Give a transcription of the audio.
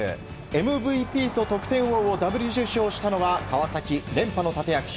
ＭＶＰと得点王をダブル受賞したのは川崎連覇の立役者